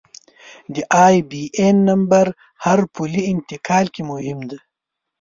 د آیبياېن نمبر هر پولي انتقال کې مهم دی.